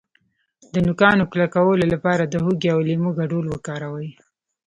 د نوکانو کلکولو لپاره د هوږې او لیمو ګډول وکاروئ